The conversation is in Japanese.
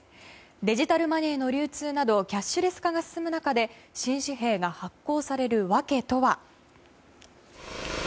デジタルマネーの流通などキャッシュレス化が進む中で新紙幣が発行されるわけとは。